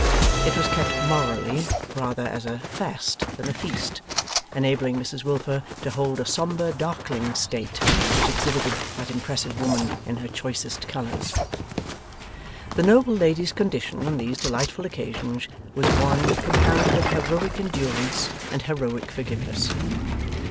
It was kept morally, rather as a Fast than a Feast, enabling Mrs Wilfer to hold a sombre darkling state, which exhibited that impressive woman in her choicest colours. The noble lady's condition on these delightful occasions was one compounded of heroic endurance and heroic forgiveness.